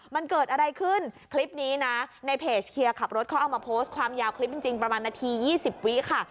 มันเกิดอะไรขึ้นคลิปนี้นะในเพจเฮียขับรถเขาเอามาโพสต์ความยาวคลิปจริงประมาณนาที๒๐วิค่ะ